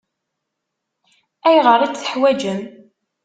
Ayɣer i t-teḥwaǧem?